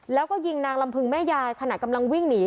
แล้วก็ยิงนางลำพึงแม่ยายขณะกำลังวิ่งหนี